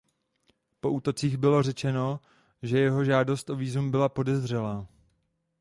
Po útocích bylo řečeno že jeho žádost o vízum byla podezřelá.